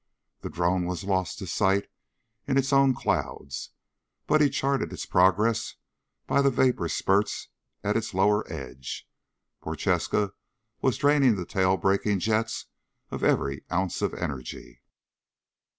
The drone was lost to sight in its own clouds, but he charted its progress by the vapor spurts at its lower edge. Prochaska was draining the tail braking jets of every ounce of energy.